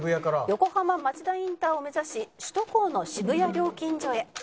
「横浜町田インターを目指し首都高の渋谷料金所へ」